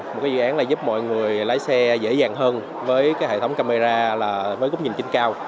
một dự án là giúp mọi người lái xe dễ dàng hơn với cái hệ thống camera là với góc nhìn chính cao